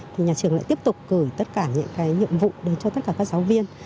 thì nhà trường lại tiếp tục cử tất cả những cái nhiệm vụ đến cho tất cả các giáo viên